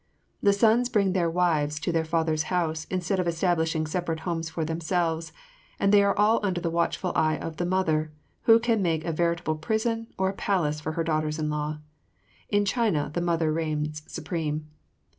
The sons bring their wives to their father's house instead of establishing separate homes for themselves, and they are all under the watchful eye of the mother, who can make a veritable prison or a palace for her daughters in law. In China the mother reigns supreme.